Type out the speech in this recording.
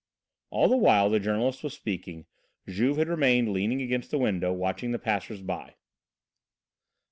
All the while the journalist was speaking, Juve had remained leaning against the window, watching the passers by.